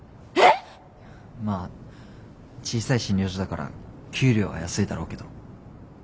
まあ小さい診療所だから給料は安いだろうけど。